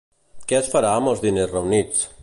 Què es farà amb els diners reunits?